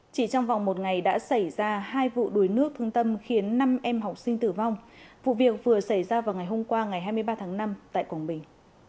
chỉ trong vòng một ngày đã xảy ra hai vụ đuối nước thương tâm khiến năm em học sinh tử vong vụ việc vừa xảy ra vào ngày hôm qua ngày hai mươi ba tháng năm tại quảng bình